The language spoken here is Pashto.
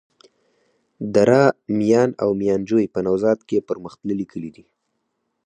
دره میان او ميانجوی په نوزاد کي پرمختللي کلي دي.